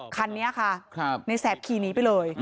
คันนี้ค่ะในแสบขี่หนีไปเลย